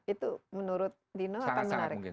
itu menurut dino akan menarik